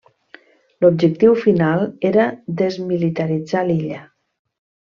L'objectiu final era desmilitaritzar l'illa.